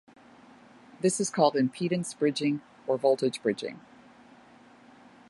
This is called impedance bridging or voltage bridging.